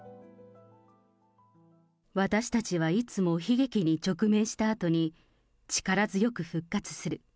私たちはいつも悲劇に直面したあとに、力強く復活する。